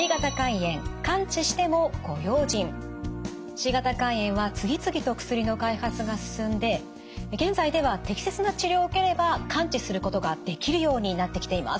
Ｃ型肝炎は次々と薬の開発が進んで現在では適切な治療を受ければ完治することができるようになってきています。